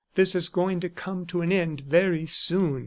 . This is going to come to an end very soon."